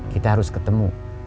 kita harus ketemu